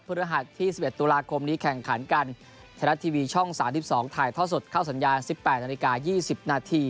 ฤหัสที่๑๑ตุลาคมนี้แข่งขันกันไทยรัฐทีวีช่อง๓๒ถ่ายท่อสดเข้าสัญญาณ๑๘นาฬิกา๒๐นาที